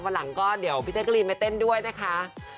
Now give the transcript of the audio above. วันหลังก็เดี๋ยวพี่แจ๊กรีนไปเต้นด้วยนะคะ